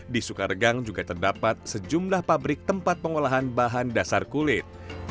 di sukaregang juga terdapat sejumlah pabrik tempat pengolahan bahan dasar kulit